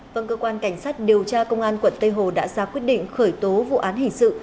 vâng cơ quan cảnh sát điều tra công an quận tây hồ đã ra quyết định khởi tố vụ án hình sự